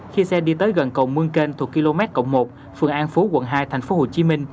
khi xe đi tới gần cầu mương kênh thuộc km một phường an phú quận hai tp hcm